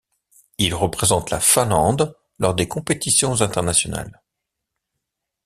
Il représente la Finlande lors des compétitions internationales.